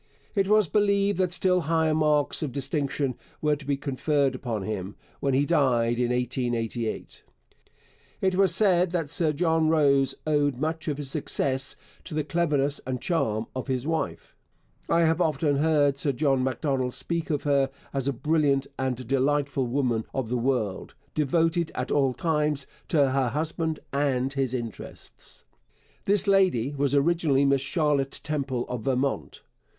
It was believed that still higher marks of distinction were to be conferred upon him, when he died in 1888. It was said that Sir John Rose owed much of his success to the cleverness and charm of his wife. I have often heard Sir John Macdonald speak of her as a brilliant and delightful woman of the world, devoted at all times to her husband and his interests. This lady was originally Miss Charlotte Temple of Vermont.